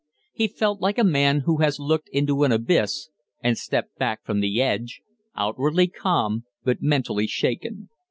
He felt like a man who has looked into an abyss and stepped back from the edge, outwardly calm but mentally shaken.